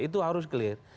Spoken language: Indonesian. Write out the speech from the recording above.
itu harus jelas